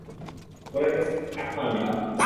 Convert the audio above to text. পরের কেসটা আপনার, ম্যাডাম।